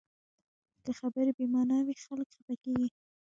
که خبرې بې معنا وي، خلک خفه کېږي